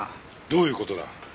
どういう事だ？